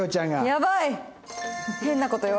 やばい！